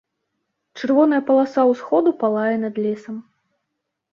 Чырвоная паласа ўсходу палае над лесам.